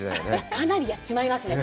かなりやっちまいりますね。